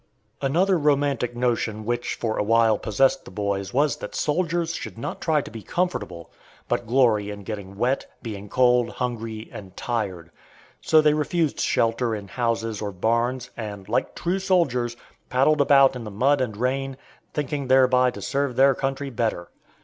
Another romantic notion which for awhile possessed the boys was that soldiers should not try to be comfortable, but glory in getting wet, being cold, hungry, and tired. So they refused shelter in houses or barns, and "like true soldiers" paddled about in the mud and rain, thinking thereby to serve their country better.